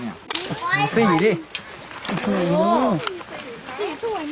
นี่เห็นจริงตอนนี้ต้องซื้อ๖วัน